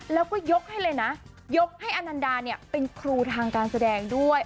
แล้วก็ยกให้เลยนะยกให้อนันดาเนี่ยเป็นครูทางการแสดงด้วย